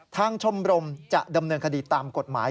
ชมรมจะดำเนินคดีตามกฎหมาย